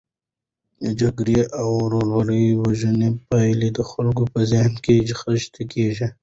د جګړې او ورور وژنې پایلې د خلکو په ذهن کې خښي کیږي.